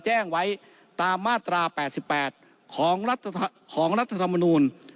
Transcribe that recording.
แจ้งไว้ตามมาตรา๘๘ของรัฐธรรมนูล